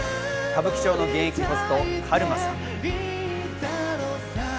歌舞伎町の現役ホスト、カルマさん。